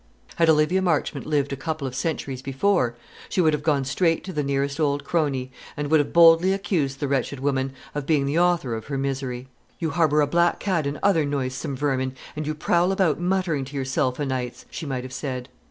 Had Olivia Marchmont lived a couple of centuries before, she would have gone straight to the nearest old crone, and would have boldly accused the wretched woman of being the author of her misery. "You harbour a black cat and other noisome vermin, and you prowl about muttering to yourself o' nights" she might have said.